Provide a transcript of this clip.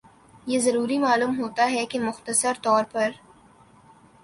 یہ ضروری معلوم ہوتا ہے کہ مختصر طور پر